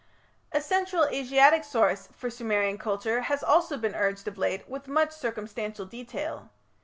A Central Asiatic source for Sumerian culture has also been urged of late with much circumstantial detail.